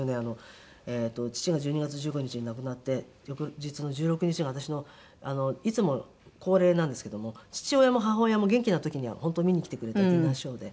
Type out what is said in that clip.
父が１２月１５日に亡くなって翌日の１６日が私のいつも恒例なんですけども父親も母親も元気な時には本当見に来てくれたディナーショーで。